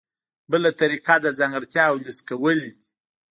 بله طریقه د ځانګړتیاوو لیست کول دي.